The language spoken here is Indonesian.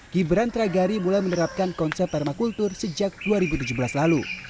gibran tragari mulai menerapkan konsep permakultur sejak dua ribu tujuh belas lalu